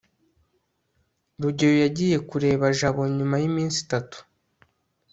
rugeyo yagiye kureba jabo nyuma yiminsi itatu